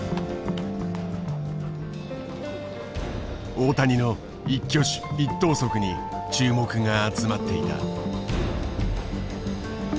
大谷の一挙手一投足に注目が集まっていた。